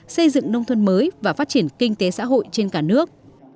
xây dựng nông thôn mới và phát triển kinh tế xã hội trên cả nước